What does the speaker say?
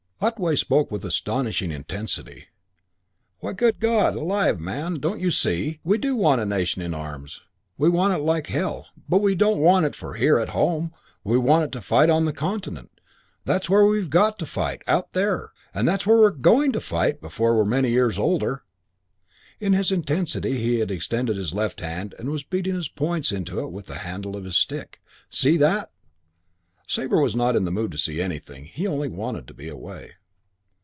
Otway spoke with astonishing intensity. "Why, good God alive, man, don't you see, we do want a nation in arms; we want it like hell. But we don't want it for here, at home; we want it to fight on the Continent. That's where we've got to fight, out there. And that's where we're going to fight before we're many years older." In his intensity he had extended his left hand and was beating his points into it with the handle of his stick. "See that?" Sabre was not in the mood to see anything. He only wanted to be away.